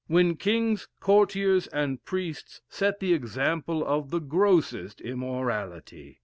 when kings, courtiers, and priests set the example of the grossest immorality.